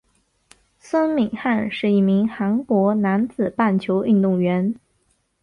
孙敏汉是一名韩国男子棒球运动员。